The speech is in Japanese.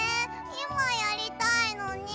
いまやりたいのに。